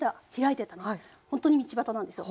ほんとに道端なんですよ。